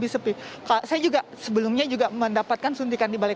saya juga sebelumnya juga mendapatkan sentikan di balai